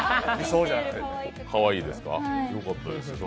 かわいいですか。